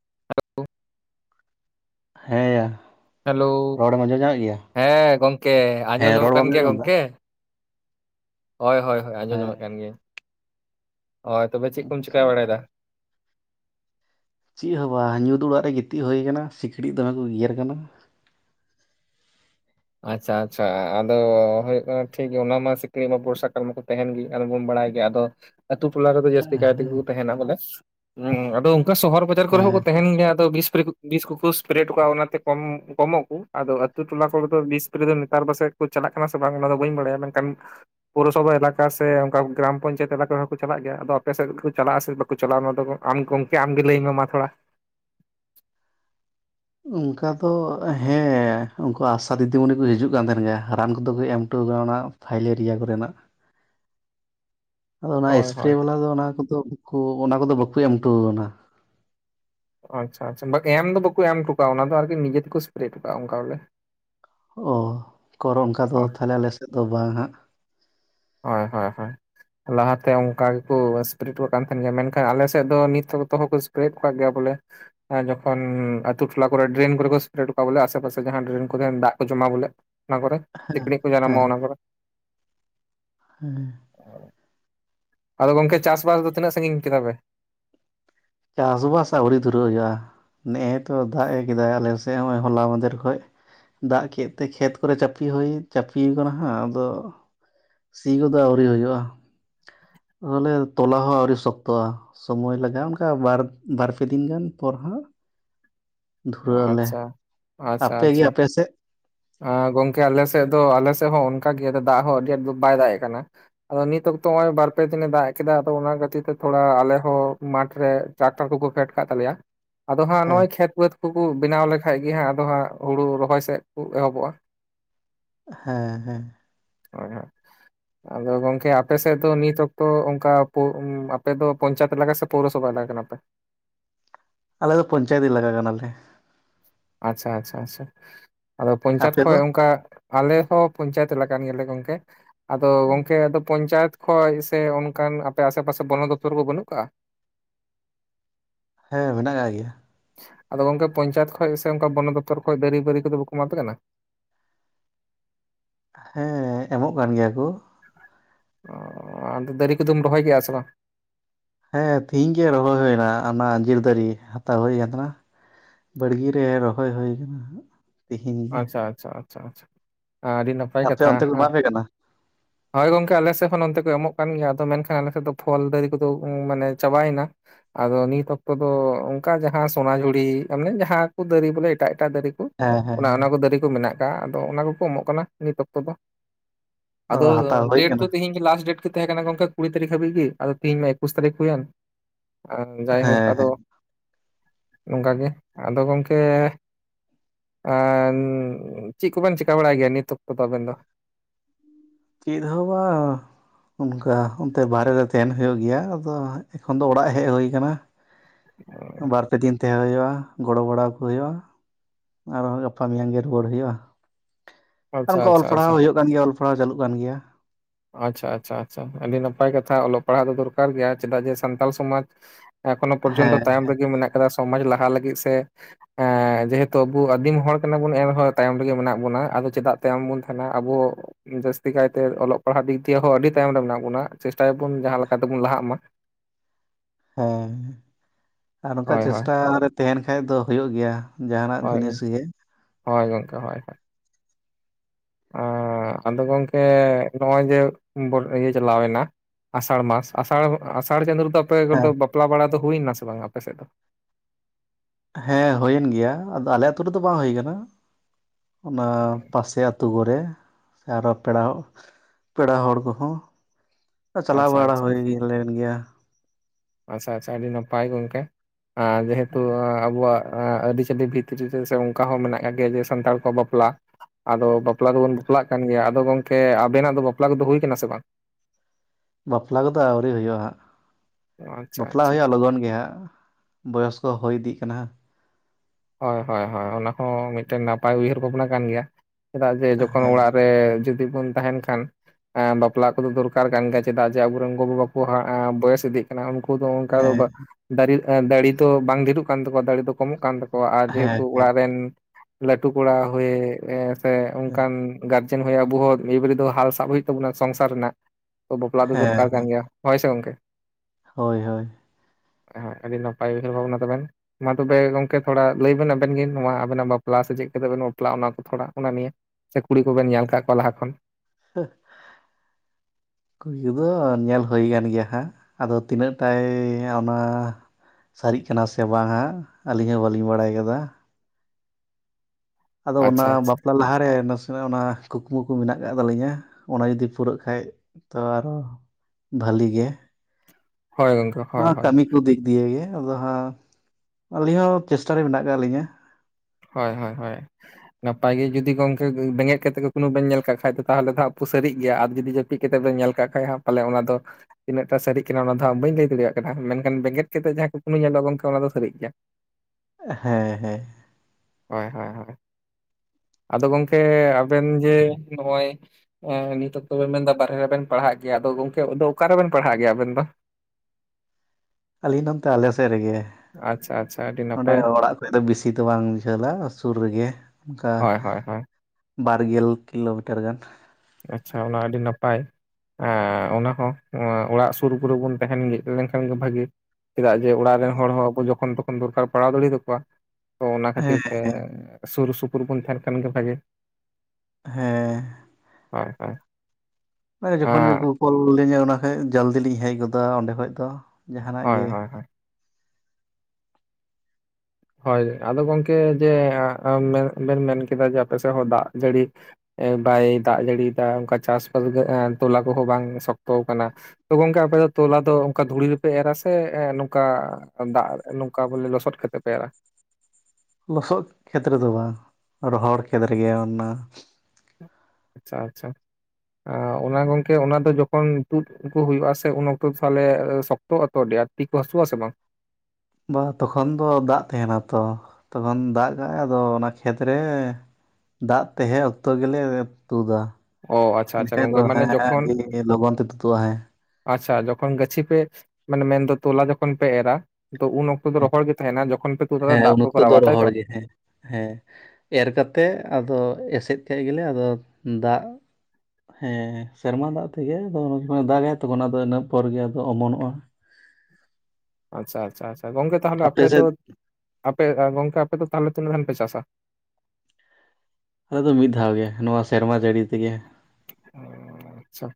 [inaudible] ᱦᱮᱸᱭᱟ ᱾ Hello. [inaudible] ᱦᱮᱸ ᱜᱚᱢᱠᱮ ᱟᱸᱡᱚᱢ ᱦᱮᱸ ᱨᱚᱲ ᱧᱚᱜᱚᱜ ᱠᱟᱱ ᱵᱟᱢ ᱜᱮᱭᱟ ᱟᱸᱡᱚᱢ ᱮᱫᱟ? ᱜᱚᱢᱠᱮ ᱾ [inaudible] ᱦᱳᱭ ᱦᱳᱭ ᱦᱳᱭ ᱟᱸᱡᱚᱢ ᱦᱮᱸ ᱧᱟᱢᱮᱜ ᱠᱟᱱ ᱜᱤᱭᱟᱹᱧ ᱾ [inaudible] ᱦᱳᱭ ᱾ ᱛᱚᱵᱮ ᱪᱮᱫ ᱠᱚᱢ ᱪᱤᱠᱟᱭ ᱟᱪᱪᱷᱟ ᱵᱟᱲᱟᱭᱮᱫᱟ? ᱪᱮᱫ ᱦᱚᱸ ᱵᱟᱝ ᱧᱩᱛ ᱚᱲᱟᱜ ᱨᱮ ᱜᱤᱛᱤᱡ ᱦᱩᱭ ᱠᱟᱱᱟ, ᱥᱤᱠᱲᱤᱡ ᱫᱚᱢᱮ ᱠᱚ ᱜᱮᱜᱮᱨ ᱠᱟᱱᱟ ᱾ ᱟᱪᱪᱷᱟ ᱟᱪᱪᱷᱟ ᱟᱫᱚ ᱦᱩᱭᱩᱜ ᱠᱟᱱᱟ ᱴᱷᱤᱠ ᱜᱮ ᱚᱱᱟ ᱢᱟ ᱥᱤᱠᱲᱤᱡ ᱢᱟ ᱵᱚᱨᱥᱟ ᱠᱟᱞ ᱠᱚ ᱛᱟᱦᱮᱱ ᱜᱮ ᱟᱨ ᱵᱚᱱ ᱵᱟᱲᱟᱭ ᱜᱮᱭᱟ ᱾ ᱟᱫᱚ ᱟᱹᱛᱩ ᱴᱚᱞᱟ ᱨᱮᱫᱚ ᱡᱟᱹᱥᱛᱤ ᱠᱟᱭ ᱦᱮᱸ ᱛᱮᱜᱮ ᱠᱚ ᱛᱟᱦᱮᱱᱟ ᱵᱚᱞᱮ ᱾ ᱦᱩᱸ ᱟᱫᱚ ᱚᱱᱠᱟ ᱥᱚᱦᱚᱨ ᱵᱟᱡᱟᱨ ᱠᱚᱨᱮ ᱦᱚᱸᱠᱚ ᱦᱮᱸ ᱛᱟᱦᱮᱱ ᱜᱮᱭᱟ, ᱟᱫᱚ ᱵᱤᱥ [unintelligible] ᱵᱤᱥ ᱠᱚᱠᱚ ᱮᱥᱮᱯᱨᱮ ᱚᱴᱟ ᱠᱟᱜ-ᱟ ᱚᱱᱟᱛᱮ ᱠᱚᱢ ᱠᱚᱢᱚᱜ ᱟᱠᱚ ᱾ ᱟᱫᱚ ᱟᱹᱛᱩ ᱴᱚᱞᱟ ᱠᱚᱨᱮ ᱫᱚ ᱵᱤᱥ ᱮᱥᱯᱮᱨᱮ ᱫᱚ ᱱᱮᱛᱟᱨ ᱯᱟᱥᱮᱡ ᱠᱚ ᱪᱟᱞᱟᱜ ᱠᱟᱱᱟ ᱥᱮ ᱵᱟᱝ ᱚᱱᱟ ᱫᱚ ᱵᱟᱹᱧ ᱵᱟᱲᱟᱭᱟ, ᱢᱮᱱᱠᱷᱟᱱ ᱯᱩᱣᱨᱚᱥᱚᱵᱷᱟ ᱮᱞᱟᱠᱟ ᱥᱮ ᱚᱱᱠᱟ ᱜᱨᱟᱢ ᱯᱚᱧᱪᱟᱭᱮᱛ ᱮᱞᱟᱠᱟ ᱨᱮ ᱦᱚᱸᱠᱚ ᱪᱟᱞᱟᱜ ᱜᱮᱭᱟ ᱾ ᱟᱫᱚ ᱟᱯᱮ ᱥᱮᱫ ᱠᱚ ᱪᱟᱞᱟᱜ-ᱟ ᱥᱮ [unintelligible] ᱪᱟᱞᱟᱣ ᱢᱟ [unintelligible] ᱟᱢ ᱜᱚᱢᱠᱮ ᱟᱢᱜᱮ ᱞᱟᱹᱭ ᱢᱮ ᱢᱟ ᱛᱷᱚᱲᱟ? ᱚᱱᱠᱟ ᱫᱚ ᱦᱮᱸ ᱩᱱᱠᱩ ᱟᱥᱟ ᱫᱤᱫᱤᱢᱩᱱᱤ ᱠᱚ ᱦᱤᱡᱩᱜ ᱠᱟᱱ ᱛᱟᱦᱮᱱ ᱜᱮᱭᱟ ᱨᱟᱱ ᱠᱚᱫᱚ ᱠᱚ ᱮᱢ ᱦᱚᱴᱚᱣ ᱠᱟᱫᱟ ᱚᱱᱟ ᱛᱷᱟᱭᱞᱮᱨᱤᱭᱟ ᱠᱚᱨᱮᱱᱟᱜ᱾ ᱟᱫᱚ ᱚᱱᱟ ᱦᱳᱭ ᱮᱥᱯᱨᱮ ᱦᱳᱭ ᱵᱟᱞᱟ ᱫᱚ ᱚᱱᱟ ᱠᱚᱫᱚ ᱠᱚ ᱚᱱᱟ ᱠᱚᱫᱚ ᱵᱟᱠᱚ ᱮᱢ ᱦᱚᱴᱚᱣ ᱟᱱᱟ ᱟᱪᱪᱷᱟ ᱟᱪᱪᱷᱟ ᱮᱢ ᱫᱚ ᱵᱟᱠᱚ ᱮᱢ ᱦᱚᱴᱚ ᱠᱟᱜ-ᱟ ᱚᱱᱟ ᱫᱚ ᱟᱨᱠᱤ ᱱᱤᱡᱮ ᱛᱮᱠᱚ ᱮᱥᱯᱨᱮ ᱦᱚᱴᱚ ᱠᱟᱜ-ᱟ ᱚᱱᱠᱟ ᱵᱚᱞᱮ᱾ ᱚ ᱠᱚᱨᱚ ᱚᱱᱠᱟ ᱫᱚ ᱦᱳᱭ ᱛᱟᱦᱚᱞᱮ ᱟᱞᱮ ᱥᱮᱫ ᱫᱚ ᱵᱟᱝ ᱦᱟᱸᱜ᱾ ᱦᱳᱭ ᱦᱳᱭ ᱦᱳᱭ᱾ ᱞᱟᱦᱟᱛᱮ ᱚᱱᱠᱟ ᱜᱮᱠᱚ ᱮᱥᱯᱨᱮ ᱦᱚᱴᱚᱟᱜ ᱠᱟᱱ ᱛᱟᱦᱮᱸᱱ ᱜᱮᱭᱟ ᱢᱮᱱᱠᱷᱟᱱ ᱟᱞᱮᱥᱮᱫ ᱫᱚ ᱱᱤᱛ ᱡᱚᱛᱚ ᱦᱚᱸᱠᱚ ᱮᱥᱯᱨᱮᱫ ᱠᱟᱜ ᱜᱮᱭᱟ ᱵᱚᱞᱮ, ᱡᱚᱠᱷᱚᱱ ᱟᱹᱛᱩ ᱴᱚᱞᱟ ᱠᱚᱨᱮ ᱰᱨᱮᱱ ᱠᱚᱨᱮ ᱠᱚ ᱮᱥᱯᱨᱮ ᱦᱚᱴᱚ ᱠᱟᱜ-ᱟ ᱵᱚᱞᱮ, ᱟᱥᱮ ᱯᱟᱥᱮ ᱡᱟᱦᱟᱸ ᱰᱨᱮᱱ ᱠᱚᱨᱮ ᱫᱟᱜ ᱠᱚ ᱡᱚᱢᱟ ᱵᱚᱞᱮ, ᱚᱱᱟ ᱠᱚᱨᱮ ᱥᱤᱠᱲᱤᱡ ᱠᱚ ᱦᱮᱸ ᱡᱟᱱᱟᱢᱚᱜ-ᱟ ᱚᱱᱟ ᱠᱚᱨᱮ᱾ [inaudible] ᱦᱮᱸ᱾ [inaudible] ᱟᱫᱚ ᱜᱚᱝᱠᱮ ᱪᱟᱥᱵᱟᱥ ᱫᱚ ᱛᱤᱱᱟᱹᱜ ᱥᱟᱺᱜᱤᱧ ᱠᱮᱫᱟ ᱯᱮ? ᱪᱟᱥᱵᱟᱥ ᱟᱹᱣᱨᱤ ᱫᱷᱩᱨᱟᱹᱣ ᱦᱩᱭᱩᱜ-ᱟ᱾ ᱱᱮᱜ-ᱮ ᱛᱚ ᱫᱟᱜ ᱮ ᱠᱮᱫᱟᱭ ᱟᱞᱮ ᱥᱮᱫ ᱦᱚᱸᱜ-ᱚᱭ ᱦᱚᱞᱟ ᱢᱟᱫᱷᱮᱨ ᱠᱷᱚᱡ, ᱫᱟᱜ ᱠᱮᱫ ᱛᱮ ᱠᱷᱮᱛ ᱠᱚᱨᱮ ᱪᱟᱯᱤ ᱦᱩᱭ ᱪᱟᱯᱤᱭ ᱟᱠᱟᱱᱟ ᱦᱟᱸᱜ ᱟᱫᱚ ᱥᱤ ᱠᱚᱫᱚ ᱟᱹᱣᱨᱤ ᱦᱩᱭᱩᱜ-ᱟ᱾ ᱵᱚᱞᱮ ᱛᱚᱞᱟ ᱦᱚᱸ ᱟᱹᱣᱨᱤ ᱥᱚᱠᱛᱚ-ᱟ ᱥᱚᱢᱳᱭ ᱞᱟᱜᱟᱜ-ᱟ ᱚᱱᱠᱟ ᱚᱱᱠᱟ ᱵᱟᱨ ᱵᱟᱨᱯᱮ ᱫᱤᱱ ᱜᱟᱱ ᱯᱚᱨ ᱦᱟᱸᱜ ᱫᱷᱩᱨᱟᱹ ᱟᱞᱮ, ᱟᱪᱪᱷᱟ ᱟᱯᱮ ᱜᱮ ᱟᱯᱮ ᱥᱮᱫ? ᱮᱸᱻ ᱜᱚᱝᱠᱮ ᱟᱞᱮᱥᱮᱫ ᱫᱚ ᱟᱞᱮᱥᱮᱫ ᱦᱚᱸ ᱚᱱᱠᱟ ᱜᱮ ᱟᱫᱚ ᱫᱟᱜ ᱦᱚᱸ ᱟᱹᱰᱤ ᱟᱸᱴ ᱫᱚ ᱵᱟᱭ ᱫᱟᱜ ᱮ ᱠᱟᱱᱟ᱾ ᱟᱫᱚ ᱱᱤᱛ ᱚᱠᱛᱚ ᱦᱚᱸᱜ-ᱚᱭ ᱵᱟᱨ ᱯᱮ ᱫᱤᱱᱮ ᱫᱟᱜ ᱠᱮᱫᱟ ᱟᱫᱚ ᱚᱱᱟ ᱠᱷᱟᱹᱛᱤᱨ ᱛᱮ ᱛᱷᱚᱲᱟ ᱟᱞᱮᱦᱚᱸ ᱢᱟᱴᱷ ᱨᱮ ᱴᱨᱟᱠᱴᱟᱨ ᱠᱚᱠᱚ ᱯᱷᱮᱰ ᱟᱠᱟᱫ ᱛᱟᱞᱮᱭᱟ ᱟᱫᱚ ᱦᱟᱸᱜ ᱦᱮᱸ ᱱᱚᱜ-ᱚᱭ ᱠᱷᱮᱛ ᱵᱟᱹᱫᱽ ᱠᱚᱠᱚ ᱵᱮᱱᱟᱣ ᱞᱮᱠᱷᱟᱡ ᱜᱮ ᱦᱟᱸᱜ ᱟᱫᱚ ᱦᱟᱸᱜ ᱦᱩᱲᱩ ᱨᱚᱦᱚᱭ ᱥᱮᱫ ᱠᱚ ᱮᱦᱚᱵᱚᱜ-ᱟ᱾ ᱦᱮᱸ ᱦᱮᱸ᱾ [unintelligible] ᱟᱫᱚ ᱜᱚᱝᱠᱮ ᱟᱯᱮᱥᱮᱫ ᱫᱚ ᱱᱤᱛ ᱚᱠᱛᱚ ᱚᱱᱠᱟ ᱟᱯᱮ ᱫᱚ ᱯᱚᱧᱪᱟᱭᱮᱛ ᱥᱮᱫ ᱯᱳᱨᱚᱥᱚᱵᱷᱟ ᱮᱞᱟᱠᱟ ᱠᱟᱱᱟ ᱯᱮ? ᱟᱞᱮ ᱫᱚ ᱯᱚᱧᱪᱟᱭᱮᱛ ᱮᱞᱟᱠᱟ ᱠᱟᱱᱟᱞᱮ᱾ ᱟᱪᱪᱷᱟ ᱟᱪᱪᱷᱟ ᱟᱪᱪᱷᱟ ᱟᱫᱚ ᱯᱚᱧᱪᱟᱭᱮᱛ ᱟᱯᱮ ᱫᱚ ᱠᱷᱚᱡ ᱚᱱᱠᱟ ᱟᱞᱮ ᱦᱚᱸ ᱯᱚᱧᱪᱟᱭᱮᱛ ᱮᱞᱟᱠᱟ ᱠᱟᱱ ᱜᱮᱭᱟᱞᱮ ᱜᱚᱝᱠᱮ ᱟᱫᱚ ᱜᱚᱝᱠᱮ ᱟᱫᱚ ᱯᱚᱧᱪᱟᱭᱮᱛ ᱦᱳᱭ ᱥᱮ ᱚᱱᱠᱟᱱ ᱟᱯᱮ ᱟᱥᱮ ᱯᱟᱥᱮ ᱵᱚᱱᱚᱫᱚᱯᱛᱚᱨ ᱠᱚ ᱵᱟᱹᱱᱩᱜ ᱠᱟᱜ-ᱟ? ᱦᱮᱸ ᱢᱮᱱᱟᱜ ᱟᱠᱟᱜ ᱜᱮᱭᱟ, ᱟᱫᱚ ᱜᱚᱝᱠᱮ ᱯᱚᱧᱪᱟᱭᱮᱛ ᱠᱷᱚᱡ ᱥᱮ ᱚᱱᱠᱟ ᱵᱚᱱᱚᱫᱚᱯᱛᱚᱨ ᱠᱷᱚᱡ ᱫᱟᱨᱤ ᱵᱟᱨᱤ ᱠᱚᱫᱚ ᱵᱟᱠᱚ ᱮᱢᱟᱯᱮ ᱠᱟᱱᱟ? ᱦᱮᱸ ᱮᱢᱚᱜ ᱠᱟᱱ ᱜᱮᱭᱟ ᱠᱚ᱾ ᱚᱻ ᱟᱫᱚ ᱫᱟᱨᱮ ᱠᱚᱫᱚᱢ ᱨᱚᱦᱚᱭ ᱠᱮᱜ-ᱟ ᱥᱮ ᱵᱟᱝ? ᱦᱮᱸ ᱛᱤᱦᱤᱧ ᱜᱮ ᱨᱚᱦᱚᱭ ᱦᱩᱭᱱᱟ ᱚᱱᱟ ᱟᱸᱡᱤᱨ ᱫᱟᱨᱮ ᱦᱟᱛᱟᱣ ᱦᱩᱭᱮᱱ ᱛᱟᱦᱮᱱᱟ᱾ ᱵᱟᱲᱜᱤ ᱨᱮ ᱨᱚᱦᱚᱭ ᱦᱩᱭ ᱟᱠᱟᱱᱟ ᱦᱟᱸᱜ ᱾ ᱟᱪᱪᱷᱟ ᱟᱪᱪᱷᱟ ᱟᱪᱪᱷᱟ ᱟᱹᱰᱤ ᱱᱟᱯᱟᱭ ᱟᱯᱮ ᱠᱟᱛᱷᱟ ᱚᱱᱛᱮ ᱠᱚ ᱦᱮ, ᱮᱢᱟ ᱯᱮ ᱠᱟᱱᱟ ᱦᱳᱭ ᱜᱚᱝᱠᱮ ᱟᱞᱮᱥᱮᱫ ᱦᱚᱸ ᱱᱚᱱᱛᱮ ᱠᱚ ᱮᱢᱚᱜ ᱠᱟᱱ ᱜᱮᱭᱟ, ᱟᱫᱚ ᱢᱮᱱᱠᱷᱟᱱ ᱟᱞᱮ ᱥᱮᱫ ᱫᱚ ᱯᱷᱚᱞ ᱫᱟᱨᱮ ᱠᱚᱫᱚ ᱢᱟᱱᱮ ᱪᱟᱵᱟᱭᱮᱱᱟ᱾ ᱟᱫᱚ ᱱᱤᱛ ᱚᱠᱛᱚ ᱫᱚ ᱚᱱᱠᱟ ᱡᱟᱦᱟᱸ ᱥᱚᱱᱟᱡᱷᱩᱲᱤ ᱢᱟᱱᱮ ᱡᱟᱦᱟᱸ ᱠᱚ ᱫᱟᱨᱮ ᱵᱚᱞᱮ ᱮᱴᱟᱜ ᱮᱴᱟᱜ ᱫᱟᱨᱮ ᱠᱚ᱾ ᱦᱮᱸ ᱦᱮᱸ ᱚᱱᱟ ᱦᱮᱸ ᱚᱱᱟ ᱠᱚ ᱫᱟᱨᱮ ᱠᱚ ᱢᱮᱱᱟᱜ ᱟᱠᱟᱜ-ᱟ, ᱟᱫᱚ ᱚᱱᱟ ᱠᱚᱠᱚ ᱮᱢᱚᱜ ᱠᱟᱱᱟ ᱱᱤᱛ ᱚᱠᱛᱚ ᱫᱚ᱾ ᱚ ᱟᱫᱚ ᱦᱟᱛᱟᱣ ᱦᱩᱭ ᱰᱮᱴ ᱠᱟᱱᱟ ᱛᱚ ᱛᱮᱦᱮᱧ ᱜᱮ ᱞᱟᱥᱴ ᱰᱮᱴ ᱛᱟᱦᱮᱸ ᱠᱟᱱᱟ ᱜᱚᱝᱠᱮ ᱠᱩᱲᱤ ᱛᱟᱹᱨᱤᱠᱷ ᱦᱟᱹᱵᱤᱡ ᱜᱮ, ᱟᱫᱚ ᱛᱤᱦᱤᱧ ᱢᱟ ᱮᱠᱩᱥ ᱛᱟᱹᱨᱤᱠᱷ ᱦᱩᱭᱮᱱ ᱦᱮᱸ ᱡᱟᱭᱦᱳᱠ ᱦᱮᱸ ᱟᱫᱚ ᱱᱚᱝᱠᱟ ᱜᱮ ᱟᱫᱚ ᱜᱚᱢᱠᱮ ᱮᱸᱻ ᱪᱮᱫ ᱠᱚᱵᱮᱱ ᱪᱤᱠᱟ ᱵᱟᱲᱟᱭ ᱜᱮᱭᱟ ᱱᱤᱛ ᱚᱠᱛᱚ ᱫᱚ ᱟᱵᱤᱱ ᱫᱚ? ᱪᱮᱜ ᱦᱚᱸ ᱵᱟᱝ ᱚᱱᱠᱟ ᱚᱱᱛᱮ ᱵᱟᱦᱨᱮ ᱨᱮ ᱛᱮᱦᱮᱱ ᱦᱳᱭᱳᱜ ᱜᱮᱭᱟ᱾ ᱟᱫᱚ ᱮᱠᱷᱚᱱ ᱫᱚ ᱚᱲᱟᱜ ᱦᱮᱡ ᱦᱳᱭ ᱠᱟᱱᱟ᱾ ᱵᱟᱨᱯᱮ ᱫᱤᱱ ᱛᱮᱦᱮᱸ ᱦᱳᱭᱳᱜᱼᱟ ᱜᱚᱲᱚ ᱵᱟᱲᱟ ᱟᱠᱚ ᱦᱳᱭᱳᱜᱼᱟ᱾ ᱟᱨᱚᱸ ᱜᱟᱯᱟ ᱢᱮᱭᱟᱝ ᱜᱮ ᱨᱩᱣᱟᱹᱲ ᱦᱳᱭᱳᱜᱼᱟ᱾ ᱴᱷᱚᱜ, ᱟᱨ ᱟᱪᱪᱷᱟ ᱚᱱᱠᱟ ᱟᱪᱪᱷᱟ ᱚᱞ ᱟᱪᱪᱷᱟ ᱯᱟᱲᱦᱟᱣ ᱦᱳᱭᱳᱜ ᱠᱟᱱ ᱜᱮᱭᱟ ᱚᱞ ᱯᱟᱲᱦᱟᱣ ᱪᱟᱹᱞᱩᱜ ᱠᱟᱱ ᱜᱮᱭᱟ᱾ ᱟᱪᱷᱟ -ᱟᱪᱷᱟ - ᱟᱪᱷᱟ, ᱟᱹᱰᱤ ᱱᱟᱯᱟᱭ ᱠᱟᱛᱷᱟ ᱚᱞᱚᱜ ᱯᱟᱲᱦᱟᱜ ᱫᱚ ᱫᱚᱨᱠᱟᱨ ᱜᱮᱭᱟ ᱪᱮᱫᱟᱜ ᱡᱮ ᱥᱟᱱᱛᱟᱞ ᱥᱚᱢᱟᱡᱽ ᱮᱠᱷᱚᱱᱳ ᱯᱚᱨᱡᱚᱱᱛᱚ ᱦᱮᱸ ᱛᱟᱭᱚᱢ ᱨᱮᱜᱮ ᱢᱮᱱᱟᱜ ᱟᱠᱟᱫᱟ ᱥᱚᱢᱟᱡ ᱞᱟᱦᱟ ᱞᱟᱹᱜᱤᱫ ᱥᱮ, ᱥᱮ-ᱯ ᱮᱸ ᱡᱮᱹᱦᱮᱹᱛᱩ ᱟᱵᱩ ᱟᱹᱫᱤᱢ ᱦᱚᱲ ᱠᱟᱱᱟ ᱵᱚᱱ ᱮᱱ ᱨᱮᱦᱚᱸ ᱛᱟᱭᱚᱢ ᱨᱮᱜᱮ ᱢᱮᱱᱟᱜ ᱵᱚᱱᱟ ᱟᱫᱚ ᱪᱮᱫᱟᱜ ᱛᱟᱭᱚᱢ ᱵᱚᱱ ᱛᱟᱦᱮᱱᱟ ᱟᱵᱳ ᱡᱟᱹᱥᱛᱤ ᱠᱟᱭᱛᱮ ᱚᱞᱚᱜ ᱯᱟᱲᱦᱟᱜ ᱫᱤᱠ ᱫᱤᱭᱮ ᱦᱚᱸ ᱟᱹᱰᱤ ᱛᱟᱭᱚᱢ ᱨᱮ ᱢᱮᱱᱟᱜ ᱵᱚᱱᱟ ᱪᱮᱥᱴᱟᱭᱟ ᱵᱚᱱ ᱡᱟᱦᱟᱸ ᱞᱮᱠᱟᱛᱮ ᱵᱚᱱ ᱞᱟᱦᱟᱜ ᱢᱟ᱾ ᱦᱮᱸ, ᱟᱨ ᱚᱝᱠᱟ ᱦᱳᱭ ᱦᱳᱭ ᱪᱮᱥᱴᱟ ᱨᱮ ᱛᱮᱦᱮᱱ ᱠᱷᱟᱡ ᱫᱚ ᱦᱳᱭᱳᱜ ᱜᱮᱭᱟ᱾ ᱡᱟᱦᱱᱟᱜ ᱡᱤᱱᱤᱥ ᱜᱮ ᱾ ᱦᱚᱭ ᱜᱚᱝᱠᱮ, ᱦᱚᱭ -ᱦᱚᱭ ᱾ ᱟ ᱻ ᱟᱫᱚ ᱜᱚᱝᱠᱮ ᱱᱚᱜᱼᱚᱭ ᱡᱮ ᱵᱚᱱ ᱤᱭᱟᱹ ᱪᱟᱞᱟᱣᱱᱟ ᱟᱥᱟᱲ ᱢᱟᱥ ᱟᱥᱟᱲ, ᱩᱜ ᱟᱥᱟᱲ ᱪᱟᱸᱫᱩ ᱨᱮ ᱫᱚ ᱟᱯᱮ ᱫᱚᱞᱮ ᱦᱮᱸ ᱵᱟᱯᱞᱟ ᱵᱟᱲᱟ ᱫᱚ ᱦᱳᱭᱱᱟ ᱥᱮ ᱵᱟᱝ ᱟᱯᱮ ᱥᱮᱫ ᱫᱚ? ᱦᱮᱸ ᱦᱳᱭᱮᱱ ᱜᱮᱭᱟ, ᱟᱫᱚ ᱟᱞᱮ ᱟᱛᱩ ᱨᱮ ᱫᱚ ᱵᱟᱝ ᱦᱳᱭ ᱟᱠᱟᱱᱟ ᱾ ᱚᱱᱟ ᱯᱟᱥᱮ ᱟᱛᱩ ᱠᱚᱨᱮ, ᱥᱮ ᱟᱨᱚ ᱯᱮᱲᱟᱼᱼ ᱯᱮᱲᱟ ᱦᱚᱲ ᱠᱚᱦᱚᱸ, ᱪᱟᱞᱟᱣ ᱟᱪᱪᱷᱟ ᱵᱟᱲᱟ ᱟᱪᱪᱷᱟ ᱦᱳᱭᱮᱱ ᱞᱮᱱ ᱜᱮᱭᱟ ᱾ ᱟᱪᱷᱟ- ᱟᱪᱷᱟ, ᱟᱹᱰᱤ ᱱᱟᱯᱟᱭ ᱜᱚᱝᱠᱮ ᱟᱨ ᱡᱮᱹ ᱦᱮᱹᱛᱩ ᱟᱵᱳᱣᱟᱜᱼᱼ ᱮᱸ, ᱟᱹᱨᱤᱪᱟᱹᱞᱤ ᱵᱷᱤᱛᱨᱤ ᱨᱮ ᱥᱮ ᱚᱝᱠᱟ ᱦᱚᱸ ᱢᱮᱱᱟᱜ ᱟᱠᱟᱫ ᱜᱮᱭᱟ ᱡᱮ ᱥᱟᱱᱛᱟᱲ ᱠᱚᱣᱟᱜ ᱵᱟᱯᱞᱟ ᱾ ᱟᱫᱚ ᱵᱟᱯᱞᱟ ᱫᱚ ᱵᱚᱱ ᱵᱟᱯᱞᱟᱜ ᱠᱟᱱ ᱜᱮᱭᱟ,? ᱟᱫᱚ ᱜᱚᱝᱠᱮ ᱟᱵᱮᱱᱟᱜ ᱫᱚ ᱵᱟᱯᱞᱟ ᱠᱚ ᱫᱚ ᱦᱳᱭ ᱠᱟᱱᱟ ᱥᱮ ᱵᱟᱝ? ᱵᱟᱯᱞᱟ ᱠᱚ ᱫᱚ ᱟᱹᱣᱨᱤ ᱦᱳᱭᱳᱜᱼᱟ ᱦᱟᱸᱜ, ᱟᱪᱪᱷᱟ ᱵᱟᱯᱞᱟ ᱟᱪᱪᱷᱟ ᱦᱳᱭᱳᱜᱼᱟ ᱞᱚᱜᱚᱱ ᱜᱮ ᱦᱟᱸᱜ ᱾ ᱵᱚᱭᱚᱥ ᱠᱚ ᱦᱳᱭ ᱤᱫᱤᱜ ᱠᱟᱱᱟ ᱦᱟᱸᱜ ᱾ ᱦᱚᱭ -ᱦᱚᱭ -ᱦᱚᱭ, ᱚᱱᱟ ᱠᱚᱦᱚᱸ ᱢᱤᱫᱴᱮᱱ ᱱᱟᱯᱟᱭ ᱩᱭᱦᱟᱹᱨ ᱵᱷᱟᱵᱽᱱᱟ ᱠᱟᱱ ᱜᱮᱭᱟ ᱾ ᱪᱮᱫᱟᱜ ᱡᱮ ᱡᱚᱠᱷᱚᱱ ᱦᱮᱸ ᱚᱲᱟᱜ ᱨᱮ ᱡᱩᱫᱤ ᱵᱚᱱ ᱛᱟᱦᱮᱱ ᱠᱷᱟᱱ ᱮᱸ ᱵᱟᱯᱞᱟ ᱠᱚ ᱫᱚ ᱫᱚᱨᱠᱟᱨ ᱠᱟᱱ ᱜᱮᱭᱟ᱾ ᱪᱮᱫᱟᱜ ᱡᱮ ᱟᱵᱚᱨᱮᱱ ᱜᱚ ᱵᱟᱵᱟ ᱠᱚ ᱦᱟᱸᱜ ᱵᱚᱭᱮᱥ ᱤᱫᱤᱜᱼᱼ ᱩᱱᱠᱩ ᱫᱚ ᱚᱱᱠᱟ ᱫᱚ ᱦᱮᱸ ᱵᱟ ᱫᱟᱨᱮ ᱫᱟᱲᱮ ᱫᱚ ᱵᱟᱝ ᱰᱷᱮᱹᱨᱚᱜ ᱠᱟᱱ ᱛᱟᱠᱚᱣᱟ ᱫᱟᱲᱮ ᱫᱚ ᱠᱚᱢᱚᱜ ᱠᱟᱱ ᱛᱟᱠᱚᱣᱟ ᱾ ᱟᱨ ᱡᱮᱹ ᱦᱮᱸ ᱦᱮᱹᱛᱩ ᱦᱮᱸ ᱚᱲᱟᱜ ᱨᱮᱱ ᱞᱟᱹᱴᱩ ᱠᱚᱲᱟ ᱦᱳᱭᱮ ᱥᱮ ᱚᱱᱠᱟᱱᱼᱼ ᱜᱟᱨᱡᱮᱱ ᱦᱳᱭᱮ ᱟᱵᱩ ᱦᱚᱸ ᱵᱷᱤᱵᱽ ᱨᱮ ᱫᱚ ᱦᱟᱞ ᱥᱟᱵ ᱦᱩᱭᱩᱜ ᱛᱟᱵᱩᱱᱟ ᱥᱚᱝᱥᱟᱨ ᱨᱮᱱᱟᱜ ᱾ ᱛᱚ ᱵᱟᱯᱞᱟ ᱫᱚ ᱦᱮᱸ ᱫᱚᱨᱠᱟᱨ ᱠᱟᱱ ᱦᱮᱸ ᱜᱮᱭᱟ, ᱦᱳᱭ ᱥᱮ ᱜᱚᱝᱠᱮ ᱾ ᱦᱳᱭ -ᱦᱳᱭ ᱾ ᱮᱸᱜ, ᱟᱹᱰᱤ ᱱᱟᱯᱟᱭ ᱩᱭᱦᱟᱹᱨ ᱵᱷᱟᱵᱱᱟ ᱛᱟᱵᱮᱱ, ᱢᱟ ᱛᱚᱵᱮ ᱜᱚᱝ ᱛᱷᱚᱲᱟ ᱞᱟᱹᱭ ᱵᱮᱱ ᱟᱵᱮᱱ ᱜᱮ ᱱᱚᱣᱟ ᱟᱵᱮᱱᱟᱜ ᱵᱟᱯᱞᱟ ᱥᱮ ᱪᱮᱜ ᱠᱟᱛᱮ ᱵᱮᱱ ᱵᱟᱯᱞᱟᱜᱼᱟ ᱚᱱᱟ ᱠᱚ ᱛᱷᱚᱲᱟ ᱚᱱᱟ ᱱᱤᱭᱮᱹ? ᱥᱮ ᱠᱩᱲᱤ ᱠᱚ ᱵᱮᱱ ᱧᱮᱞ ᱟᱠᱟᱫ ᱠᱚᱣᱟ ᱞᱟᱦᱟ ᱠᱷᱚᱱ? ᱷᱚᱦ-ᱥᱟᱜ, ᱠᱩᱲᱤ ᱫᱚ ᱧᱮᱞ ᱦᱳᱭ ᱠᱟᱱ ᱜᱮᱭᱟ ᱦᱟᱸᱜ ᱾ ᱟᱫᱚ ᱛᱤᱱᱟᱹᱜ ᱴᱟᱭ ᱚᱱᱟᱼᱼ ᱥᱟᱹᱨᱤᱜ ᱠᱟᱱᱟ ᱥᱮ ᱵᱟᱝ ᱦᱟᱸᱜ ᱟᱞᱤᱧ ᱦᱚᱸ ᱵᱟᱹᱞᱤᱧ ᱵᱟᱲᱟᱭ ᱠᱟᱫᱟ ᱾ ᱟᱫᱚ ᱚᱱᱟ ᱟᱪᱪᱷᱟ ᱟᱪᱪᱷᱟ ᱵᱟᱯᱞᱟ ᱞᱟᱦᱟ ᱨᱮ ᱱᱟᱥᱮ ᱚᱱᱟ ᱠᱩᱠᱢᱩ ᱠᱚ ᱢᱮᱱᱟᱜ ᱟᱠᱟᱫ ᱛᱟᱹᱟᱞᱤᱧᱟ ᱚᱱᱟ ᱡᱩᱫᱤ ᱯᱩᱨᱟᱹᱜ ᱠᱷᱟᱡ ᱛᱚ ᱟᱨᱚᱼᱼ ᱵᱷᱟᱞᱤ ᱜᱮ ᱾ ᱦᱚᱭ ᱜᱚᱝᱠᱚ ᱾ ᱱᱚᱣᱟ ᱠᱟᱹᱢᱤ ᱠᱚ ᱫᱤᱠ ᱫᱤᱭᱮ ᱜᱮ, ᱟᱫᱚ ᱦᱟᱸᱜ ᱟᱹᱞᱤᱧ ᱦᱚᱸ ᱪᱮᱥᱴᱟ ᱨᱮ ᱢᱮᱱᱟᱜ ᱟᱠᱟᱫ ᱞᱤᱧᱟᱹ ᱾ ᱦᱚᱭ -ᱦᱚᱭ ᱼᱦᱚᱭ ᱾ ᱱᱟᱯᱟᱭ ᱜᱮ ᱡᱩᱫᱤ ᱜᱚᱝᱠᱮ ᱵᱮᱸᱜᱮᱫ ᱠᱟᱛᱮ ᱠᱩᱠᱱᱩ ᱵᱮᱱ ᱧᱮᱞ ᱠᱟᱜ ᱠᱷᱟᱡ ᱫᱚ ᱛᱟᱦᱞᱮ ᱫᱚ ᱦᱟᱸᱜ ᱯᱩ ᱥᱟᱹᱨᱤᱜ ᱜᱮᱭᱟ, ᱟᱨ ᱡᱩᱫᱤ ᱡᱟ ᱯᱤᱫ ᱠᱮᱛᱮᱜ ᱵᱮᱱ ᱧᱮᱞ ᱠᱟᱜ ᱠᱷᱟᱡ ᱦᱟᱸᱜ ᱯᱟᱞᱮ ᱚᱱᱟ ᱫᱚᱼᱼ ᱛᱤᱱᱟᱹᱜ ᱴᱟ ᱥᱟᱹᱨᱤᱜ ᱠᱟᱱᱟ ᱚᱱᱟ ᱫᱚ ᱦᱟᱸᱜ ᱵᱟᱹᱧ ᱞᱟᱹᱭ ᱫᱟᱲᱮᱭᱟᱜ ᱠᱟᱱᱟ, ᱢᱮᱱᱠᱷᱟᱱ ᱵᱮᱸᱜᱮᱫ ᱠᱮᱛᱮᱜ ᱡᱟᱦᱟᱸ ᱠᱩᱠᱱᱩᱧ ᱧᱮᱞᱫᱟ ᱜᱚᱝᱠᱮ ᱚᱱᱟ ᱫᱚ ᱥᱟᱹᱨᱤᱜ ᱜᱮᱭᱟ ᱾ ᱦᱮᱸ ᱦᱮᱸ ᱦᱳᱭ ᱦᱳᱭ ᱦᱳᱭ᱾ ᱟᱫᱚ ᱜᱚᱝᱠᱮ ᱟᱵᱮᱱ ᱡᱮ ᱱᱚᱜ-ᱚᱭ ᱱᱤᱛᱚᱜ ᱛᱚ ᱵᱮᱱ ᱢᱮᱱ ᱮᱫᱟ ᱵᱟᱦᱨᱮ ᱨᱮᱵᱮᱱ ᱯᱟᱲᱦᱟᱜ ᱜᱮᱭᱟ, ᱟᱫᱚ ᱜᱚᱝᱠᱮ ᱚᱰᱩ ᱚᱠᱟᱨᱮ ᱨᱮᱵᱮᱱ ᱯᱟᱲᱦᱟᱜ ᱜᱮᱭᱟ ᱟᱵᱮᱱ ᱫᱚ? [inaudible] ᱟᱹᱞᱤᱧ ᱫᱚ ᱚᱱᱛᱮ ᱟᱞᱮ ᱥᱮᱫ ᱨᱮ ᱜᱮ, ᱟᱪᱪᱷᱟ ᱟᱪᱪᱷᱟ ᱟᱹᱰᱤ ᱱᱚᱸᱰᱮ ᱱᱟᱯᱟᱭ ᱚᱲᱟᱜ ᱫᱚ ᱵᱮᱥᱤ ᱫᱚ ᱵᱟᱝ ᱡᱷᱟᱹᱞᱟ ᱥᱩᱨ ᱨᱮ ᱜᱮ ᱚᱱᱠᱟ ᱦᱳᱭ ᱦᱳᱭ ᱦᱳᱭ ᱵᱟᱨ ᱜᱮᱞ ᱠᱤᱞᱳ ᱢᱤᱴᱟᱨ ᱜᱟᱱ᱾ ᱟᱪᱪᱷᱟ, ᱚᱱᱟ ᱟᱹᱰᱤ ᱱᱟᱯᱟᱭ᱾ ᱟᱨ ᱚᱱᱟ ᱦᱚᱸ ᱚᱲᱟᱜ ᱥᱩᱨ ᱠᱚ ᱨᱮ ᱵᱚᱱ ᱛᱟᱦᱮᱸᱱ ᱞᱮᱱᱠᱷᱟᱱ ᱜᱮ ᱵᱷᱟᱜᱤ᱾ ᱪᱮᱫᱟᱜ ᱡᱮ ᱚᱲᱟᱜ ᱨᱮᱱ ᱦᱚᱲ ᱦᱚᱸ ᱟᱵᱚ ᱡᱚᱠᱷᱚᱱ ᱛᱚᱠᱷᱚᱱ ᱫᱚᱨᱠᱟᱨ ᱯᱟᱲᱟᱣ ᱫᱟᱲᱮᱭᱟ ᱛᱟᱠᱚᱣᱟ᱾ ᱛᱚ ᱚᱱᱟ ᱦᱮᱸ ᱠᱷᱟᱹᱛᱤᱨ ᱛᱮ ᱦᱮᱸ ᱥᱩᱨ ᱥᱩᱯᱩᱨ ᱵᱚᱱ ᱛᱟᱦᱮᱱ ᱠᱷᱟᱱ ᱜᱮ ᱵᱷᱟᱜᱮ᱾ ᱦᱮᱸ, ᱦᱳᱭ ᱦᱳᱭ, ᱡᱚᱠᱷᱚᱱ ᱜᱮ ᱠᱚ ᱟᱸ ᱠᱚᱞ ᱟᱞᱤᱧᱟᱹ ᱚᱱᱟ ᱠᱷᱟᱡ ᱡᱚᱞᱫᱤ ᱞᱤᱧ ᱦᱮᱡ ᱜᱚᱫᱚᱜ-ᱟ ᱚᱸᱰᱮ ᱠᱷᱚᱡ ᱫᱚ᱾ ᱡᱟᱦᱟᱱᱟᱜ ᱦᱳᱭ ᱜᱮ ᱦᱳᱭ ᱦᱳᱭ ᱦᱳᱭ, ᱟᱫᱚ ᱜᱚᱝᱠᱮ ᱡᱮ ᱵᱮᱱ ᱢᱮᱱ ᱠᱮᱫᱟ ᱡᱮ ᱟᱯᱮ ᱥᱮᱫ ᱦᱚᱸ ᱫᱟᱜ ᱡᱟᱹᱲᱤ ᱮ ᱵᱟᱭ ᱫᱟᱜ ᱡᱟᱹᱲᱤᱭᱫᱟ, ᱚᱱᱠᱟ ᱪᱟᱥ ᱠᱚᱫᱚ ᱛᱚᱞᱟ ᱠᱚᱦᱚᱸ ᱵᱟᱝ ᱥᱚᱠᱛᱚ ᱟᱠᱟᱱᱟ᱾ ᱛᱚ ᱜᱚᱝᱠᱮ ᱟᱯᱮ ᱫᱚ ᱛᱚᱞᱟ ᱫᱚ ᱚᱝᱠᱟ ᱫᱷᱩᱲᱤ ᱨᱮᱯᱮ ᱮᱨᱟ ᱥᱮ ᱱᱚᱝᱠᱟ ᱫᱟᱜ ᱱᱚᱝᱠᱟ ᱵᱚᱞᱮ ᱞᱚᱥᱚᱫ ᱠᱟᱛᱮᱫ? ᱯᱮ ᱮᱨᱟ᱾ ᱞᱚᱥᱚᱫ ᱠᱷᱮᱛ ᱨᱮᱫᱚ ᱵᱟᱝ ᱨᱚᱦᱚᱲ ᱠᱷᱮᱛ ᱨᱮᱜᱮ ᱚᱱᱟ᱾ ᱟᱪᱷᱟ ᱟᱪᱷᱟ, ᱚᱱᱟ ᱜᱚᱝᱠᱮ ᱚᱱᱟ ᱫᱚ ᱡᱚᱠᱷᱚᱱ ᱛᱩᱫ ᱩᱠᱩ ᱦᱩᱭᱩᱜ-ᱟ ᱥᱮ ᱩᱱ ᱚᱠᱛᱚ ᱛᱟᱦᱚᱞᱮ ᱥᱚᱠ- ᱛᱚ ᱟᱛᱚ ᱰᱮᱭᱟᱴ ᱛᱤᱠᱚ ᱦᱟᱹᱥᱩᱣᱟ ᱥᱮ ᱵᱟᱝ? ᱵᱟ ᱛᱚᱠᱷᱚᱱ ᱫᱚ ᱫᱟᱜ ᱛᱟᱦᱮᱱᱟ ᱛᱚ ᱛᱚᱠᱷᱚᱱ ᱫᱟᱜ ᱠᱟᱜ ᱟᱫᱚ ᱚᱱᱟ ᱠᱷᱮᱛ ᱨᱮ ᱫᱟᱜ ᱛᱟᱦᱮᱸ ᱚᱠᱛᱚ ᱜᱮᱞᱮ ᱛᱩᱫᱟ᱾ ᱚ ᱟᱪᱪᱷᱟ ᱟᱪᱪᱷᱟ ᱮᱱᱠᱷᱟᱡ ᱫᱚ ᱜᱚᱝᱠᱮ ᱢᱟᱱᱮ ᱦᱮᱸ ᱟᱹᱰᱤ ᱞᱚᱜᱚᱱ ᱛᱮ ᱛᱩᱫᱩᱜ-ᱟ᱾ ᱦᱮᱸ ᱟᱪᱷᱟ ᱡᱚᱠᱷᱚᱱ ᱜᱟᱹᱪᱷᱤ ᱯᱮ ᱢᱟᱱᱮ ᱢᱮᱱᱫᱚ ᱛᱚᱞᱟ ᱡᱚᱠᱷᱚᱱ ᱯᱮ ᱮᱨᱟ ᱛᱚ ᱩᱱ ᱚᱠᱛᱚ ᱫᱚ ᱨᱚᱦᱚᱲ ᱜᱮ ᱛᱟᱦᱮᱱᱟ ᱡᱚᱠᱷᱚᱱ ᱯᱮ᱾ ᱛᱩᱫᱟ ᱦᱮᱸ ᱫᱟᱜ ᱩᱱ ᱯᱮ ᱚᱠᱛᱚ ᱫᱚ ᱠᱚᱨᱟᱣᱟ ᱛᱟᱭᱛᱚ ᱨᱚᱦᱚᱲ ᱜᱮ ᱛᱟᱦᱮᱸᱱᱟ᱾ ᱦᱮᱸ ᱮᱨ ᱠᱟᱛᱮ ᱟᱫᱚ ᱮᱥᱮᱫ ᱠᱮᱫ ᱜᱮᱞᱮ ᱟᱫᱚ ᱫᱟᱜ ᱦᱮᱸ ᱥᱮᱨᱢᱟ ᱫᱟᱜ ᱛᱮᱜᱮ ᱟᱫᱚ ᱡᱚᱠᱷᱚᱱ ᱫᱟᱜ ᱟᱭ ᱛᱚᱠᱷᱚᱱ ᱟᱫᱚ ᱤᱱᱟᱹ ᱯᱚᱨ ᱜᱮ ᱟᱫᱚ ᱚᱢᱚᱱᱚᱜ-ᱟ᱾ ᱟᱪᱷᱟ ᱟᱪᱷᱟ ᱟᱪᱷᱟ ᱜᱚᱝᱠᱮ ᱛᱟᱦᱚᱞᱮ ᱟᱯᱮ ᱫᱚ ᱟᱯᱮ ᱜᱚᱝᱠᱮ ᱟᱯᱮ ᱫᱚ ᱛᱟᱦᱚᱞᱮ ᱛᱤᱱᱟᱹᱜ ᱜᱟᱱ ᱯᱮ ᱪᱟᱥᱟ? ᱟᱞᱮ ᱫᱚ ᱢᱤᱫ ᱫᱷᱟᱣ ᱜᱮ ᱱᱚᱣᱟ ᱥᱮᱨᱢᱟ ᱡᱟᱹᱲᱤ ᱛᱮᱜᱮ᱾ ᱚ ᱟᱪᱷᱟ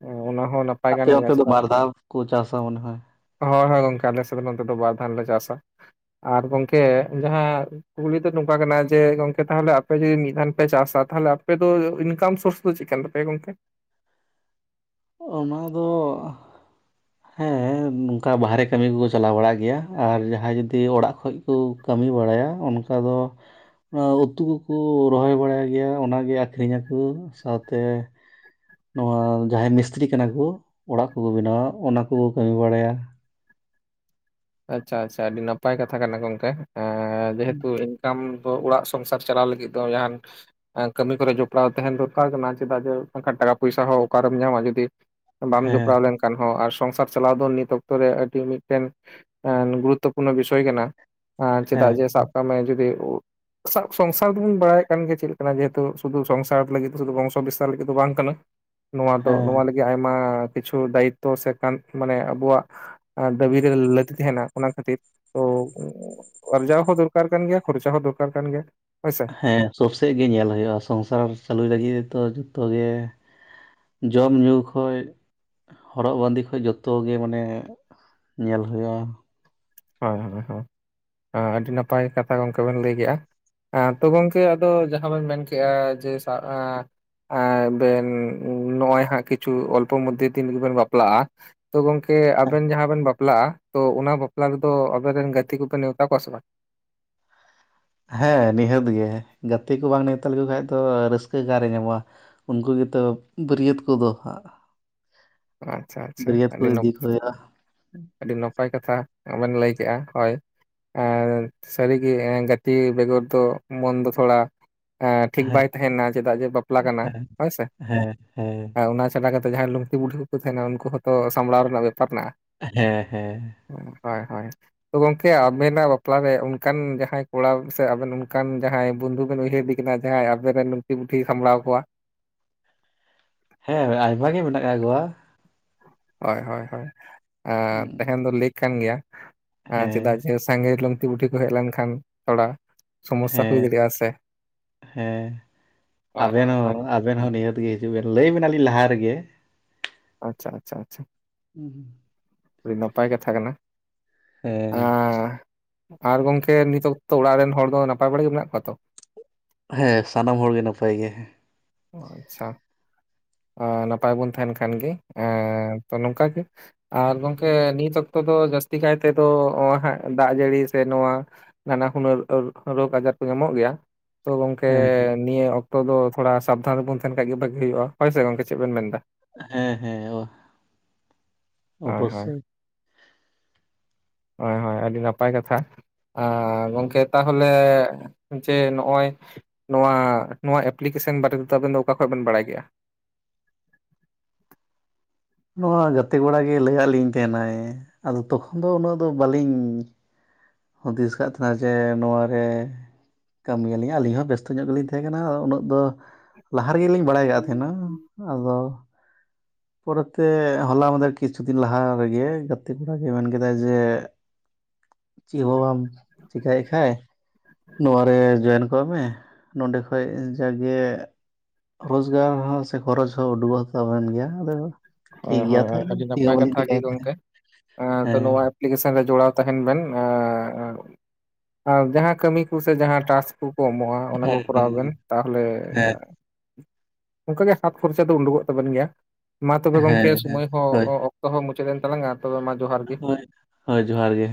ᱚᱱᱟ ᱦᱚᱸ ᱱᱟ- ᱟᱯᱮ ᱚᱱᱛᱮ ᱫᱚ ᱵᱟᱨ ᱫᱷᱟᱣ ᱠᱚ ᱪᱟᱥᱟ ᱢᱚᱱᱮ ᱦᱚᱭ᱾ ᱦᱚᱭ ᱦᱚᱭ ᱜᱚᱝᱠᱮ ᱟᱞᱮ ᱥᱮᱫ ᱱᱚᱛᱮ ᱫᱚ ᱵᱟᱨ ᱫᱷᱟᱣ ᱞᱮ ᱪᱟᱥᱟ ᱟᱨ ᱜᱚᱝᱠᱮ ᱡᱟᱦᱟᱸ ᱠᱩᱠᱞᱤ ᱫᱚ ᱱᱚᱝᱠᱟ ᱠᱟᱱᱟ ᱡᱮ ᱜᱚᱝᱠᱮ ᱛᱟᱦᱚᱞᱮ ᱟᱯᱮ ᱡᱮ ᱢᱤᱫ ᱫᱷᱟᱱ ᱯᱮ ᱪᱟᱥᱟ ᱛᱟᱦᱚᱞᱮ ᱟᱯᱮ ᱫᱚ ᱤᱱᱠᱟᱢ ᱥᱚᱨᱥ- ᱪᱤᱠᱟᱱ ᱛᱟᱯᱮᱭᱟ ᱜᱚᱢᱠᱮ᱾ ᱚᱱᱟ ᱫᱚ [inaudible] ᱦᱮᱸ ᱱᱚᱝᱠᱟ ᱵᱟᱦᱨᱮ ᱠᱟᱹᱢᱤ ᱠᱚᱠᱚ ᱪᱟᱞᱟᱣ ᱵᱟᱲᱟᱜ ᱜᱮᱭᱟ ᱟᱨ ᱡᱟᱦᱟᱸᱭ ᱡᱩᱫᱤ ᱚᱲᱟᱜ ᱠᱷᱚᱡ ᱠᱩ ᱠᱟᱹᱢᱤ ᱵᱟᱲᱟᱭᱟ ᱚᱱᱠᱟ ᱫᱚ ᱚᱱᱟ ᱩᱛᱩ ᱠᱩᱠᱩ ᱨᱚᱦᱚᱭ ᱵᱟᱲᱟᱭ ᱜᱮᱭᱟ ᱚᱱᱟᱜᱮ ᱟᱠᱷᱨᱤᱧ ᱟᱠᱚ ᱥᱟᱶᱛᱮ ᱱᱚᱣᱟ ᱡᱟᱦᱟᱸᱭ ᱢᱤᱥᱛᱨᱤ ᱠᱟᱱᱟ ᱠᱩ ᱚᱲᱟᱜ ᱠᱩᱠᱩ ᱵᱮᱱᱟᱣ ᱚᱱᱟ ᱠᱩᱠᱩ ᱠᱟᱹᱢᱤ ᱵᱟᱲᱟᱭᱟ᱾ ᱟᱪᱷᱟ ᱟᱪᱷᱟ ᱟᱹᱰᱤ ᱱᱟᱯᱟᱭ ᱠᱟᱛᱷᱟ ᱠᱟᱱᱟ ᱜᱚᱝᱠᱮ ᱡᱮᱦᱮᱛᱩ ᱤᱱ- ᱠᱟᱢ ᱠᱚ ᱚᱲᱟᱜ ᱥᱚᱝᱥᱟᱨ ᱪᱟᱞᱟᱣ ᱞᱟᱹᱜᱤᱫ ᱫᱚ ᱡᱟᱦᱟᱱ ᱠᱟᱹᱢᱤ ᱠᱚᱨᱮ ᱡᱚᱯᱚᱲᱟᱣ ᱛᱟᱦᱮᱱ ᱫᱚᱨᱠᱟᱨ ᱠᱟᱱᱟ᱾ ᱪᱮᱫᱟᱜ ᱡᱮ ᱵᱟᱝᱠᱷᱟᱱ ᱴᱟᱠᱟ ᱯᱚᱭᱥᱟ ᱦᱚᱸ ᱚᱠᱟᱨᱮᱢ ᱧᱟᱢᱟ ᱡᱩᱚᱫᱤ ᱵᱟᱢ ᱦᱮᱸ ᱡᱚᱯᱲᱟᱣ ᱞᱮᱱᱠᱷᱟᱱ ᱦᱚᱸ, ᱟᱨ ᱥᱚᱝᱥᱟᱨ ᱪᱟᱞᱟᱣ ᱫᱚ ᱱᱤᱛ ᱚᱠᱛᱚ ᱨᱮ ᱟᱹᱰᱤ ᱢᱤᱫᱴᱮᱱ ᱜᱩᱨᱩ ᱛᱚᱯᱩᱨᱱᱚ ᱵᱤᱥᱚᱭ ᱠᱟᱱᱟ, ᱪᱮᱫᱟᱜ ᱦᱮᱸ ᱡᱮ ᱥᱟᱵ ᱠᱟᱜ ᱢᱮ ᱡᱩᱫᱤ ᱥᱟᱵ ᱥᱚᱝᱥᱟᱨ ᱫᱚᱵᱚᱱ ᱵᱟᱲᱟᱭᱮᱫ ᱠᱟᱱ ᱜᱮᱭᱟ, ᱪᱮᱫ ᱞᱮᱠᱟᱱᱟ ᱡᱮᱦᱮᱛᱩ ᱥᱩᱫᱩ ᱥᱚᱝᱥᱟᱨ ᱞᱟᱹᱜᱤᱫ ᱫᱚ ᱥᱩᱫᱩ ᱵᱚᱝᱥᱚ ᱵᱤᱥᱛᱟᱨ ᱞᱟᱹᱜᱤᱫ ᱫᱚ ᱵᱟᱝ ᱠᱟᱱᱟ᱾ ᱱᱚᱣᱟ ᱫᱚ ᱦᱮᱸ ᱱᱚᱣᱟ ᱞᱟᱹᱜᱤᱫ ᱟᱭ ᱠᱤᱪᱷᱩ ᱫᱟᱭᱤᱛᱚ ᱥᱮ ᱠᱟᱱ ᱢᱟᱱᱮ ᱟᱵᱚᱣᱟᱜ ᱫᱟᱹᱵᱤ ᱨᱮ ᱞᱟᱹ ᱛᱟᱦᱮᱱᱟ ᱚᱱᱟ ᱠᱷᱟᱹᱛᱤᱨ ᱛᱚ ᱚᱨᱡᱟᱣ ᱦᱚᱸ ᱫᱚᱨᱠᱟᱨ ᱠᱟᱱ ᱜᱮᱭᱟ ᱠᱷᱚᱨᱪᱟ ᱦᱚᱸ ᱫᱚᱨᱠᱟᱨ ᱠᱟᱱ ᱜᱮᱭᱟ ᱦᱳᱭᱥᱮ ᱦᱮᱸ ᱥᱳᱵ ᱥᱮᱡ ᱜᱮ ᱧᱮᱞ ᱦᱩᱭᱩᱜ-ᱟ᱾ ᱥᱚᱝᱥᱟᱨ ᱪᱟᱹᱞᱩᱭ ᱞᱟᱹᱜᱤᱫ ᱛᱚ ᱡᱚᱛᱚ ᱜᱮ ᱡᱚᱢ ᱧᱩ ᱠᱷᱚᱡ ᱦᱚᱨᱚᱜ ᱵᱟᱸᱫᱮ ᱠᱷᱚᱡ ᱡᱚᱛᱚ ᱜᱮ ᱢᱟᱱᱮ ᱧᱮᱞ ᱦᱳᱭᱳᱜ-ᱟ᱾ ᱦᱮᱸ ᱦᱮᱸ ᱦᱳᱭ ᱟᱹᱰᱤ ᱱᱟᱯᱟᱭ ᱠᱟᱛᱷᱟ ᱜᱚᱢᱠᱮ ᱵᱤᱱ ᱞᱟᱹᱭ ᱠᱮᱫ-ᱟ᱾ ᱦᱮᱸ ᱛᱚ ᱜᱚᱢᱠᱮ ᱟᱫᱚ ᱡᱟᱦᱟᱸ ᱵᱚᱱ ᱢᱮᱱ ᱠᱮᱜ-ᱟ ᱡᱮ ᱥᱟ ᱮᱸᱸ ᱵᱮᱱ ᱱᱚᱜ-ᱚᱭ ᱦᱟᱸᱜ ᱠᱤᱪᱷᱩ ᱚᱞᱯᱚ ᱢᱚᱫᱽᱫᱷᱮ ᱫᱤᱱᱜᱮᱵᱤᱱ ᱵᱟᱯᱞᱟᱜ-ᱟ᱾ ᱛᱚ ᱜᱚᱝᱠᱮ ᱟᱵᱤᱱ ᱡᱟᱦᱟᱸ ᱵᱤᱱ ᱵᱟᱯᱞᱟᱜ-ᱟ ᱛᱚ ᱚᱱᱟ ᱵᱟᱯᱞᱟ ᱨᱮᱫᱚ ᱟᱵᱤᱱ ᱨᱤᱱ ᱜᱟᱛᱤ ᱠᱚᱵᱤᱱ ᱱᱮᱣᱛᱟ ᱠᱚᱣᱟ ᱥᱮ ᱵᱟᱝ? ᱦᱮᱸ ᱱᱤᱦᱟᱹᱛ ᱜᱮ ᱜᱟᱛᱤ ᱠᱚ ᱵᱟᱝ, ᱱᱮᱣᱛᱟ ᱞᱮᱠᱚ ᱠᱷᱟᱱ ᱫᱚ ᱨᱟᱹᱥᱠᱟ ᱟᱠᱟᱨᱮ ᱧᱟᱢᱚᱜ-ᱟ᱾ ᱩᱱᱠᱩ ᱜᱮᱛᱚ ᱵᱟᱹᱨᱭᱟᱹᱛ ᱠᱚᱫᱚ ᱦᱟᱸᱜ᱾ ᱟᱪᱷᱟ ᱟᱪᱷᱟ ᱵᱟᱹᱨᱭᱟᱹᱛ ᱠᱚ ᱟᱹᱰᱤ ᱱᱟ ᱤᱫᱤ ᱠᱚ ᱦᱩᱭᱩᱜᱼᱟ ᱟᱹᱰᱤ ᱱᱟᱯᱟᱭ ᱠᱟᱛᱷᱟ ᱵᱤᱱ ᱞᱟᱹᱭ ᱠᱮᱜ-ᱟ ᱦᱚᱭ ᱟᱨ ᱥᱟᱹᱨᱤᱜᱮ ᱜᱟᱛᱤ ᱵᱮᱜᱚᱨ ᱫᱚ ᱢᱚᱱ ᱫᱚ ᱛᱷᱚᱲᱟ ᱮ ᱴᱷᱤᱠ ᱦᱮᱸ ᱵᱟᱭ ᱛᱟᱦᱮᱱᱟ ᱪᱮᱫᱟᱜ ᱡᱮ ᱵᱟᱯᱞᱟ ᱠᱟᱱᱟ᱾ ᱦᱮᱸ ᱦᱚᱭᱥᱮ ᱦᱮᱸ ᱦᱮᱸ ᱚᱱᱟ ᱪᱷᱟᱰᱟ ᱠᱟᱛᱮ ᱡᱟᱦᱟᱸᱭ ᱞᱩᱝᱛᱤ ᱵᱩᱰᱷᱤ ᱠᱚ ᱛᱟᱦᱮᱱᱟ᱾ ᱩᱱᱠᱩ ᱦᱚᱸᱛᱚ ᱥᱟᱢᱵᱽᱲᱟᱣ ᱨᱮᱱᱟᱜ ᱵᱮᱯᱟᱨ ᱢᱮᱱᱟᱜ-ᱟ᱾ ᱦᱮᱸ ᱦᱮᱸ᱾ ᱦᱳᱭ ᱦᱳᱭ᱾ ᱛᱚ ᱜᱚᱝᱠᱮ ᱟᱵᱮᱱᱟᱜ ᱵᱟᱯᱞᱟᱨᱮ, ᱚᱱᱠᱟᱱ ᱡᱟᱦᱟᱸᱭ ᱠᱚᱲᱟ ᱥᱮ ᱟᱵᱮᱱ ᱚᱱᱠᱟᱱ ᱡᱟᱦᱟᱸᱭ ᱵᱚᱱᱫᱷᱩ ᱵᱮᱱ ᱩᱭᱦᱟᱹᱨ ᱠᱤᱱ ᱟᱜ ᱡᱟᱦᱟᱸᱭ ᱟᱵᱮᱱ ᱨᱮᱱ ᱞᱩᱝᱛᱤ ᱵᱩᱰᱷᱤᱭ ᱥᱟᱢᱵᱲᱟᱣ ᱠᱚᱣᱟ᱾ ᱦᱮᱸ ᱟᱭᱢᱟ ᱜᱮ ᱢᱮᱱᱟᱜ ᱜᱚᱣᱟ᱾ ᱦᱳᱭ ᱦᱳᱭ ᱦᱳᱭ ᱩᱸ, ᱛᱟᱦᱮᱱ ᱫᱚ ᱞᱟᱠ ᱠᱟᱱ ᱜᱮᱭᱟ ᱦᱮᱸ ᱪᱮᱫᱟᱜ ᱡᱮ ᱥᱟᱸᱜᱮ ᱞᱩᱝᱛᱤ ᱵᱩᱰᱷᱤ ᱠᱚ ᱦᱮᱡ ᱞᱮᱱ ᱠᱷᱟᱱ ᱛᱷᱚᱲᱟ ᱥᱚᱢᱚᱥᱥᱟ ᱦᱩᱭ ᱦᱮᱸ ᱫᱟᱲᱮᱭᱟᱜᱼᱟ ᱥᱮ ᱦᱮᱸ ᱦᱳᱭ ᱟᱵᱮᱱ ᱦᱳᱭ ᱦᱳᱭ ᱦᱚᱸ ᱟᱵᱮᱱ ᱦᱚᱸ ᱱᱤᱦᱟᱹᱛ ᱜᱮ ᱦᱤᱡᱩᱜ ᱵᱮᱱ, ᱞᱟᱹᱭ ᱵᱮᱱᱟ ᱞᱤᱧ ᱞᱟᱦᱟ ᱨᱮᱜᱮ᱾ ᱟᱪᱪᱷᱟ ᱟᱪᱪᱷᱟ ᱟᱪᱷᱟ ᱦᱩᱸ ᱦᱩᱸ ᱟᱹᱰᱤ ᱱᱟᱯᱟᱭ ᱠᱟᱛᱷᱟ ᱠᱟᱱᱟ᱾ ᱦᱮᱸ᱾ ᱟᱨ ᱜᱚᱝᱠᱮ ᱱᱤᱛᱚᱛᱚ ᱚᱲᱟᱜ ᱨᱮᱱ ᱦᱚᱲ ᱫᱚ ᱱᱟᱯᱟᱭ ᱵᱟᱲᱟ ᱜᱮ ᱢᱮᱱᱟᱜ ᱠᱚᱣᱟ ᱛᱚ᱾ ᱦᱮᱸ ᱥᱟᱱᱟᱢ ᱦᱚᱲ ᱜᱮ ᱱᱟᱯᱟᱭ ᱜᱮ ᱦᱮᱸ᱾ ᱚ ᱟᱪᱪᱷᱟ ᱱᱟᱯᱟᱭ ᱵᱚᱱ ᱛᱟᱦᱮᱱ ᱠᱷᱟᱱ ᱜᱮ ᱛᱚ ᱱᱚᱝᱠᱟ ᱜᱮ ᱟᱨ ᱜᱚᱝᱠᱮ ᱱᱤᱛ ᱚᱠᱛᱚ ᱫᱚ ᱡᱟᱹᱥᱛᱤ ᱠᱟᱭ ᱛᱮᱫᱚ ᱦᱟᱜ ᱫᱟᱜ ᱡᱟᱹᱲᱤ ᱥᱮ ᱱᱚᱣᱟ ᱱᱟᱱᱟ ᱦᱩᱱᱟᱹᱨ ᱨᱳᱜᱽ ᱟᱡᱟᱨ ᱠᱚ ᱧᱟᱢᱚᱜ ᱜᱮᱭᱟ ᱛᱚ ᱜᱚᱝᱠᱮ ᱦᱮᱸ ᱱᱤᱭᱟᱹ ᱚᱠᱛᱚ ᱫᱚ ᱛᱷᱚᱲᱟ, ᱥᱟᱵᱫᱷᱟᱱ ᱨᱮᱵᱚᱱ ᱛᱟᱦᱮᱱ, ᱠᱷᱟᱱ ᱜᱮ ᱵᱷᱟᱜᱤ ᱦᱩᱭᱩᱜᱜᱼᱟ ᱦᱚᱳᱭᱥᱮ ᱜᱚᱝᱠᱮ ᱪᱮᱫ ᱵᱮᱱ ᱢᱮᱱ ᱫᱟ? ᱦᱮᱸ ᱦᱮᱸ ᱚ ᱦᱳᱭ ᱦᱳᱭ ᱚᱵᱚᱥᱥᱳᱭ᱾ ᱦᱳᱭ ᱦᱳᱭ ᱟᱹᱰᱤ ᱱᱟᱯᱟᱭ ᱠᱟᱛᱷᱟ᱾ ᱟ ᱜᱚᱝᱠᱮ ᱛᱟᱦᱚᱞᱮ ᱡᱮ ᱱᱚᱜᱼᱚᱭ ᱱᱚᱣᱟ ᱱᱚᱣᱟ ᱮᱯᱞᱤᱠᱮᱥᱚᱱ ᱵᱟᱨᱮ ᱛᱮᱫᱚ ᱟᱵᱮᱱ ᱫᱚ ᱚᱠᱟ ᱠᱷᱚᱡ ᱵᱮᱱ ᱵᱟᱲᱟᱭ ᱠᱮᱫ-ᱟ? ᱱᱚᱣᱟ ᱜᱟᱛᱮ ᱠᱚᱲᱟ ᱜᱮ ᱞᱟᱹᱭᱟᱫ ᱞᱤᱧ ᱛᱟᱦᱮᱱᱟᱭ᱾ ᱟᱫᱚ ᱛᱚᱠᱷᱚᱱ ᱫᱚ ᱩᱱᱟᱹᱜ ᱫᱚ ᱵᱟᱹᱞᱤᱧ ᱦᱩᱫᱤᱥ ᱟᱠᱟᱫ ᱛᱟᱦᱮᱱᱟ ᱡᱮ ᱱᱚᱣᱟᱨᱮ ᱠᱟᱹᱢᱤᱭᱟᱞᱤᱧ ᱟᱹᱞᱤᱧ ᱦᱚᱸ ᱵᱮᱥᱛᱚ ᱧᱚᱜ ᱜᱮᱞᱤᱧ ᱛᱟᱦᱮᱸ ᱠᱟᱱᱟ ᱩᱱᱟᱹᱜ ᱫᱚ ᱞᱟᱦᱟ ᱨᱮᱜᱮᱞᱤᱧ ᱵᱟᱲᱟᱭ ᱟᱠᱟᱫ ᱛᱟᱦᱮᱱᱟ ᱟᱫᱚ ᱯᱚᱨᱮᱛᱮ ᱦᱚᱞᱟ ᱢᱟᱫᱮᱨ ᱠᱤᱪᱷᱩ ᱫᱤᱱ ᱞᱟᱦᱟ ᱨᱮᱜᱮ ᱜᱟᱛᱮ ᱠᱚᱲᱟ ᱜᱮ ᱢᱮᱱ ᱠᱮᱫᱟᱭ ᱡᱮ ᱪᱮᱜ ᱦᱚ ᱵᱟᱢ ᱪᱤᱠᱟᱭᱮᱫ ᱠᱷᱟᱭ ᱱᱚᱣᱟᱨᱮ ᱡᱚᱭᱮᱱ ᱠᱟᱜ ᱢᱮ᱾ ᱱᱚᱰᱮ ᱠᱷᱚᱡ ᱡᱟᱜ ᱜᱮ ᱨᱚᱡᱽᱜᱟᱨ ᱦᱚᱸ ᱥᱮ ᱠᱷᱚᱨᱚᱪ ᱦᱚᱸ ᱩᱰᱩᱠᱚᱜ ᱛᱟᱵᱮᱱ ᱜᱮᱭᱟ᱾ ᱟᱫᱚ ᱴᱷᱤᱠ ᱦᱳᱭ ᱜᱮᱭᱟ ᱦᱳᱭ ᱛᱟᱦᱚᱞᱮ ᱟ-ᱟᱹᱰᱤ ᱪᱮᱫ ᱦᱚᱸ ᱱᱟᱯᱟᱭ ᱵᱟᱹᱞᱤᱧ ᱠᱟᱛᱷᱟ ᱜᱮ ᱪᱮᱠᱟᱭ ᱛᱟᱦᱮᱸᱫ ᱜᱚᱢᱠᱮ᱾ ᱦᱮᱸ ᱛᱚ ᱱᱚᱣᱟ ᱮᱯᱞᱤᱠᱮᱥᱚᱱ ᱨᱮ ᱡᱚᱲᱟᱣ ᱛᱟᱦᱮᱱ ᱵᱮᱱ᱾ ᱟ ᱟᱨ ᱡᱟᱦᱟᱸ ᱠᱟᱢᱤ ᱠᱚ ᱥᱮ ᱡᱟᱦᱟᱸ ᱴᱟᱥᱠ ᱠᱚᱠᱚ ᱮᱢᱚᱜᱼᱟ᱾ ᱚᱱᱟ ᱠᱚ ᱦᱮᱸ ᱠᱚᱨᱟᱣ ᱵᱮᱱ ᱦᱮᱸ ᱛᱟᱦᱚᱞᱮ ᱦᱮᱸ ᱚᱱᱠᱟᱜᱮ ᱦᱟᱛ ᱠᱷᱚᱨᱪᱟ ᱫᱚ ᱩᱰᱩᱠᱚᱜ ᱛᱟᱵᱮᱱ ᱜᱮᱭᱟ᱾ ᱢᱟ ᱛᱚᱵᱮ ᱜᱚᱝᱠᱮ ᱦᱮᱸ ᱦᱮᱸ ᱥᱳᱢᱚᱭ ᱦᱚᱸ ᱦᱳᱭ ᱚ-ᱚᱠᱛᱚ ᱦᱚᱸ ᱢᱩᱪᱟᱹᱫ ᱮᱝ ᱛᱟᱞᱟᱝᱼᱟ ᱛᱚᱵᱮ ᱢᱟ ᱡᱚᱦᱟᱨ ᱜᱮ ᱦᱳᱭ᱾ ᱦᱳᱭ ᱡᱚᱦᱟᱨ ᱜᱮ᱾